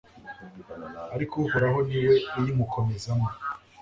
ariko uhoraho ni we uyimukomezamo